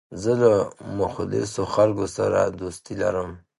زه له مخلصو خلکو سره دوستي لرم.